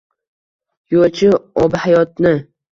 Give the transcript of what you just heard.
Yo’lchi obihayotni.